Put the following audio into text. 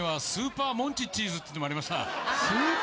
スーパーモンチッチー？